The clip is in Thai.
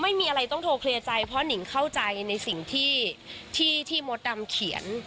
ไม่มีอะไรต้องโทรเคลียร์ใจเพราะหนิงเข้าใจในสิ่งที่ที่มดดำเขียน